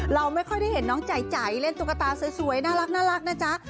เราไม่ค่อยได้เห็นน้องใจเล่นตุ๊กตาสวยน่ารักนะจ๊ะ